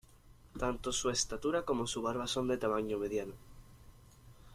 Tanto su estatura como su barba son de tamaño mediano.